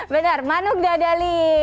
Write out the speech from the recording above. benar manug dadali